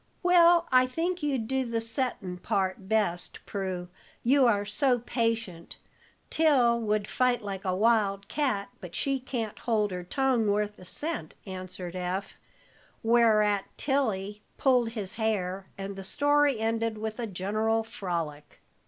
"Well, I think you'd do the settin' part best, Prue, you are so patient. Till would fight like a wild cat, but she can't hold her tongue worth a cent," answered Eph; whereat Tilly pulled his hair, and the story ended with a general frolic.